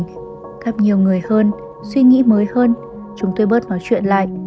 gặp nhiều người hơn suy nghĩ mới hơn chúng tôi bớt nói chuyện lại